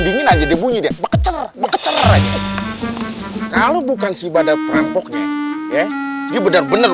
dingin aja dia bunyi dia beker beker aja kalau bukan si badar perampoknya ya dia bener bener